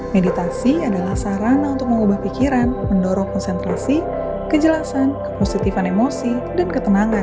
meditasi adalah sarana untuk mengubah pikiran mendorong konsentrasi kejelasan kepositifan emosi dan ketenangan